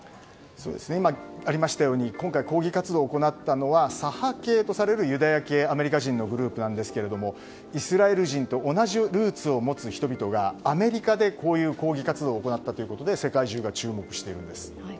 今ありましたように今回、抗議活動を行ったのは左派系とされるユダヤ系アメリカ人のグループなんですがイスラエル人と同じルーツを持つ人々がアメリカで、こういう抗議活動を行ったということで世界中が注目しているんです。